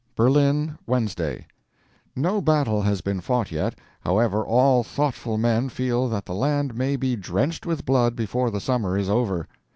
BERLIN, Wednesday. No battle has been fought yet. However, all thoughtful men feel that the land may be drenched with blood before the Summer is over.